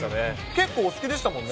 結構お好きでしたもんね。